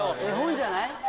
絵本じゃない？